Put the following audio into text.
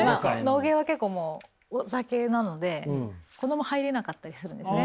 野毛は結構お酒なので子ども入れなかったりするんですね。